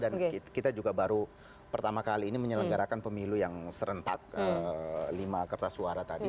dan kita juga baru pertama kali ini menyelenggarakan pemilu yang serentak lima kertas suara tadi